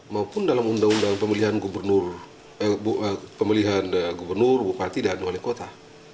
maupun dalam undang undang pemilihan pemilihan gubernur bupati dan wali kota